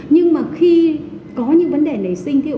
nhưng mà khi có những vấn đề nảy sinh